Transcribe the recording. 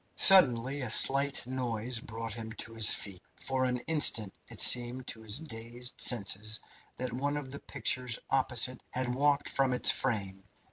Suddenly a slight noise brought him to his feet. For an instant it seemed to his dazed senses that one of the pictures opposite had walked from its frame.